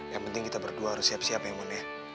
yang penting kita berdua harus siap siap ya mulia